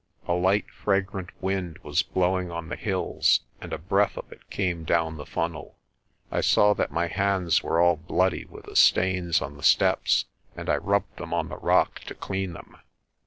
A light fragrant wind was blowing on the hills and a breath of it came down the funnel. I saw that my hands were all bloody with the stains on the steps and I rubbed them on the rock to clean them.